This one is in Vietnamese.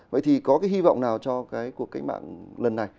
vậy thì có hy vọng nào cho cuộc cách mạng lần này